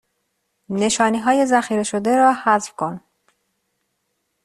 نشانی های ذخیره شده را حذف کن